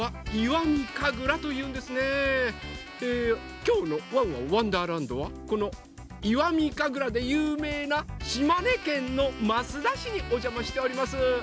これはきょうの「ワンワンわんだーらんど」はこの「石見神楽」でゆうめいな島根県の益田市におじゃましております。